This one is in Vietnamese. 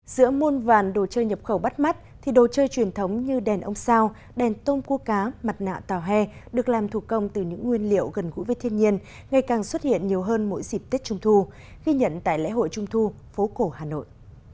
giữa môn vàn đồ chơi nhập khẩu bắt mắt thì đồ chơi truyền thống như đèn ông sao đèn tôm cua cá mặt nạ tàu he được làm thủ công từ những nguyên liệu gần gũi với thiên nhiên ngày càng xuất hiện nhiều hơn mỗi dịp tết trung thu ghi nhận tại lễ hội trung thu phố cổ hà nội